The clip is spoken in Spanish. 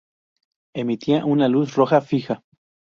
Emitía una luz roja fija.